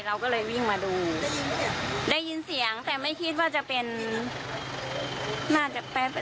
เราก็เลยวิ่งมาดูได้ยินเสียงแต่ไม่คิดว่าจะเป็นน่าจะแป๊